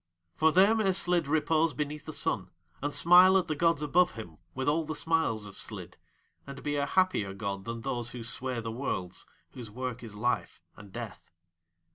For there may Slid repose beneath the sun and smile at the gods above him with all the smiles of Slid, and be a happier god than Those who sway the Worlds, whose work is Life and Death.